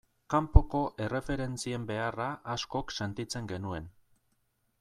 Kanpoko erreferentzien beharra askok sentitzen genuen.